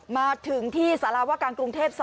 มาถึงที่สารวการกรุงเทพ๒